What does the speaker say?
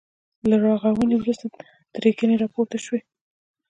له رغاونې وروسته تربګنۍ راپورته شوې.